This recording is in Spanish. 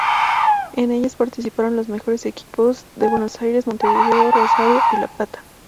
En ellas participaron los mejores equipos de Buenos Aires, Montevideo, Rosario, y La Plata.